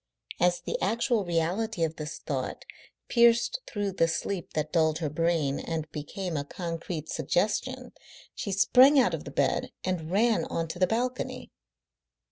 As the actual reality of this thought pierced through the sleep that dulled her brain and became a concrete suggestion, she sprang out of the bed and ran on to the balcony.